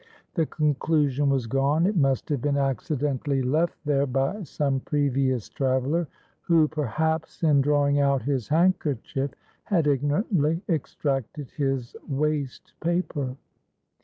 The conclusion was gone. It must have been accidentally left there by some previous traveler, who perhaps in drawing out his handkerchief, had ignorantly extracted his waste paper.